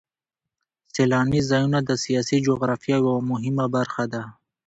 سیلاني ځایونه د سیاسي جغرافیه یوه مهمه برخه ده.